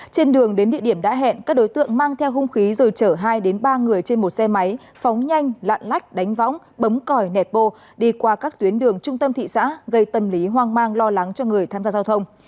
trên đường đến địa điểm đã hẹn các đối tượng mang theo hung khí rồi chở hai đến ba người trên một xe máy phóng nhanh lạn lách đánh võng bấm còi nẹt bô đi qua các tuyến đường trung tâm thị xã gây tâm lý hoang mang lo lắng cho người tham gia giao thông